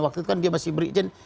waktu itu kan dia masih berizin